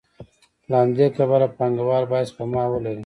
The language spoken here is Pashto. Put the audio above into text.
له همدې کبله پانګوال باید سپما ولري